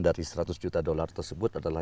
dari seratus juta dolar tersebut adalah